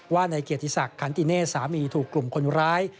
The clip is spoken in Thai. ว่าในเกียรติศักดิ์ขันติเนศสามีถูกกลุ่มคนร้าย